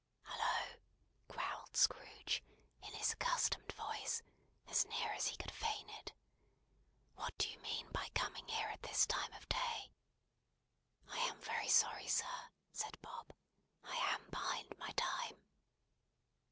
"Hallo!" growled Scrooge, in his accustomed voice, as near as he could feign it. "What do you mean by coming here at this time of day?" "I am very sorry, sir," said Bob. "I am behind my time."